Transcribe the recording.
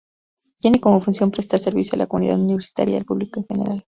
Tiene como función prestar servicio a la comunidad universitaria y al público en general.